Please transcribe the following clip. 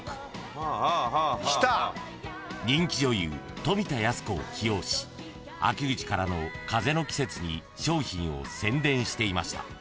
［人気女優富田靖子を起用し秋口からの風邪の季節に商品を宣伝していました］